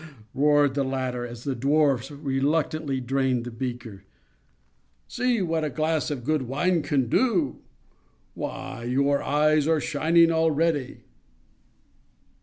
roared the latter, as the dwarf reluctantly drained the beaker. "See what a glass of good wine can do! Why, your eyes are shining already!"